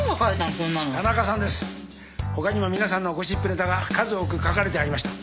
他にも皆さんのゴシップネタが数多く書かれてありました。